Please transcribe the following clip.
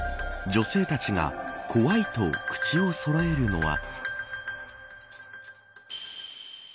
女性たちが怖いと口をそろえるのは。